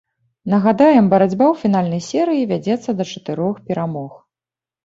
Нагадаем, барацьба ў фінальнай серыі вядзецца да чатырох перамог.